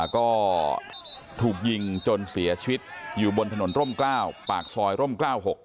ก็ถูกยิงจนเสียชีวิตอยู่บนถนนร่มกล้าวปากซอยร่มกล้าว๖